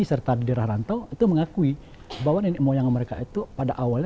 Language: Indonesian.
serta di daerah rantau itu mengakui bahwa nenek moyang mereka itu pada awalnya